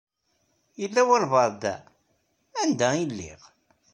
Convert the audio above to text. Yella walbaɛḍ da? Anda ay lliɣ?